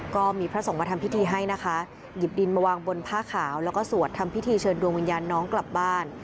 ก็มีพระสงฆ์มาทำพิธีให้นะคะหยิบดินมาวางบนผ้าขาวแล้วก็สวดทำพิธีเชิญดวงวิญญาณน้องกลับบ้าน